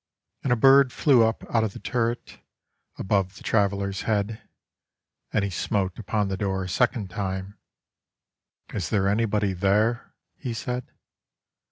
And a bird flew up out of the turret, Above the traveler's head: And he smote upon the door a second time; "Is there anybody there?" he said.